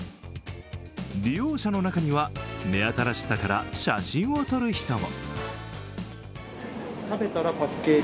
利用者の中には目新しさから写真を撮る人も。